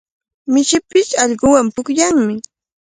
Mishipish allquwan pukllanmi.